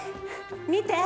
見て。